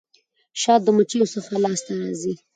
شات د مچيو څخه لاسته راځي.